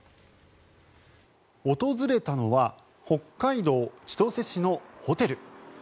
訪れたのは北海道千歳市のホテル。